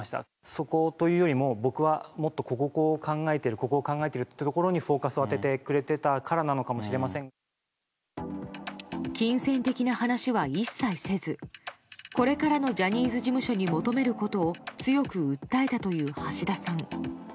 そこというよりも、僕はもっとここを考えている、ここを考えてるっていうところにフォーカスを当ててくれてたなの金銭的な話は一切せず、これからのジャニーズ事務所に求めることを強く訴えたという橋田さん。